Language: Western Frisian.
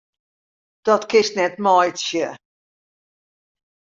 Dat kinst net meitsje!